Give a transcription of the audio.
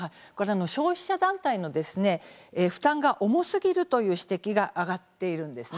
消費者団体の負担が重すぎるという指摘が上がっているんです。